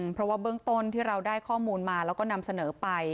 เพราะว่าเบื้องต้นที่เราได้ข้อมูลมาแล้วก็นำเสนอไป